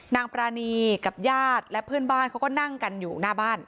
ปรานีกับญาติและเพื่อนบ้านเขาก็นั่งกันอยู่หน้าบ้าน